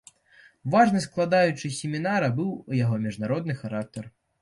Важнай складаючай семінара быў яго міжнародны характар.